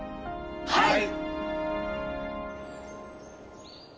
はい！